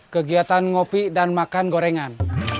kegiatan ngopi dan makan gorengan